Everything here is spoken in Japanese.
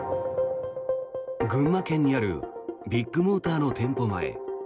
群馬県にあるビッグモーターの店舗前。